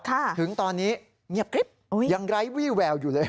ถึงตอนนี้ยังไร้วี่แววอยู่เลย